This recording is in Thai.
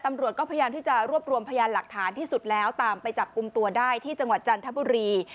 ตำรวจก็พยายามที่จะรวบรวมพยานหลักฐานที่สุดแล้วตามไปจับกลุ่มตัวได้ที่จังหวัดจันทบุรี